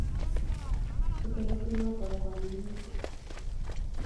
Chute petut notok kwangutik